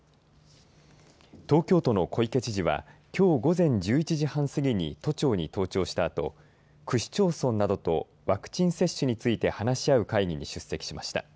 東京都の小池知事はきょう午前１１時半すぎに都庁に登庁したあと区市町村などとワクチン接種について話し合う会議に出席しました。